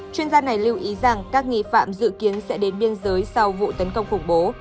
chuyên gia này lưu ý rằng các nghi phạm dự kiến sẽ đến biên giới sau vụ tấn công khủng bố